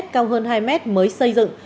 cao hơn hai m mới xây dựng